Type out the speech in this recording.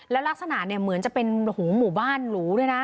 แล้วลักษณะเนี่ยเหมือนจะเป็นหูหมู่บ้านหรูด้วยนะ